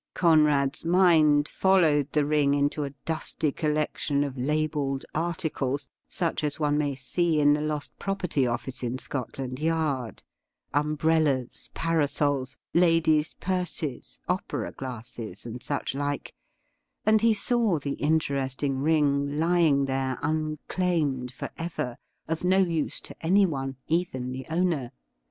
Conrad's mind followed the ring into a dusty collection of labelled articles, such as one may see in the Lost Property Office in Scotland Yard — umbrellas, parasols, ladies' purses, opera glasses, and such like, and he saw the interesting ring lying there imclaimed for ever — of no use to anyone, even the owner.